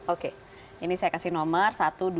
oke ini saya kasih nomor satu dua tiga empat lima